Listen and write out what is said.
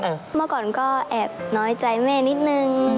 เมื่อก่อนก็แอบน้อยใจแม่นิดนึง